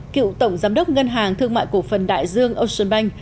cựu tổng giám đốc ngân hàng thương mại cổ phần đại dương ocean bank